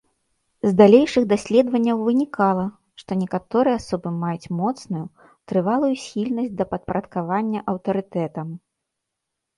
З далейшых даследванняў вынікала, што некаторыя асобы маюць моцную, трывалую схільнасць да падпарадкавання аўтарытэтам.